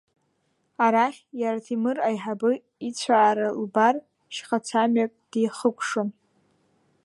Арахь иара Ҭемыр аиҳабы ицәаара лбар, шьхацамҩак дихыкәшон.